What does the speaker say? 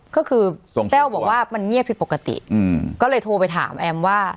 ก็คือแต้วบอกว่ามันเงียบผิดปกติก็เลยโทรไปถามแอมว่า